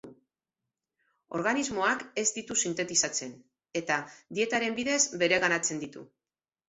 Organismoak ez ditu sintetizatzen, eta dietaren bidez bereganatzen ditu.